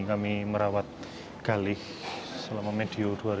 dapat galih selama mediun dua ribu empat belas